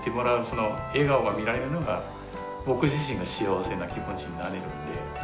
その笑顔が見られるのが僕自身が幸せな気持ちになれるんで。